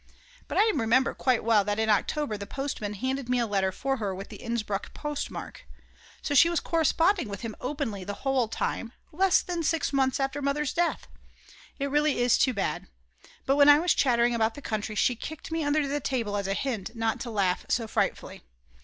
_ But now I remember quite well that in October the postman handed me a letter for her with the Innsbruck postmark. So she was corresponding with him openly the whole time, less than 6 months after Mother's death. It really is too bad! But when I was chattering about the country, she kicked me under the table as a hint not to laugh so frightfully.